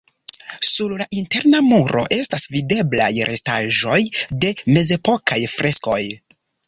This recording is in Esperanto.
Sur la interna muro estas videblaj restaĵoj de mezepokaj freskoj.